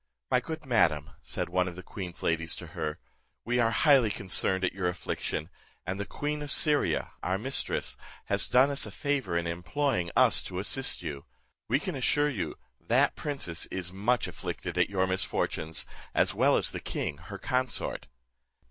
"My good madam," said one of the queen's ladies to her, "we are highly concerned at your affliction, and the queen of Syria, our mistress, has done us a favour in employing us to assist you. We can assure you, that princess is much afflicted at your misfortunes, as well as the king her consort."